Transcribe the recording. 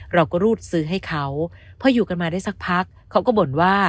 รูดซื้อให้เขาพออยู่กันมาได้สักพักเขาก็บ่นว่า